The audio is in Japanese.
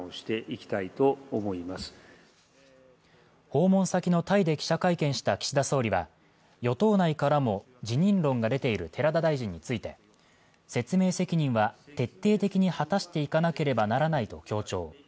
訪問先のタイで記者会見した岸田総理は与党内からも辞任論が出ている寺田大臣について、説明責任は徹底的に果たしていかなければならないと強調。